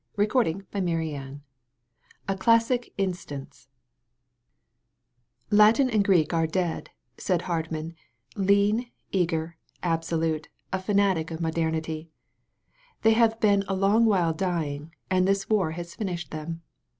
182 A CLASSIC INSTANCE A CLASSIC INSTANCE ''LiATIN and Greek are dead," said Hardman, lean, eager, absolute, a fanatic of modernity. "They have been a long while dying, and this war has fin ished them.